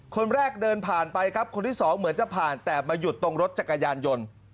คนแรกเดินผ่านไปครับคนที่สองเหมือนจะผ่านแต่มาหยุดตรงรถจักรยานยนต์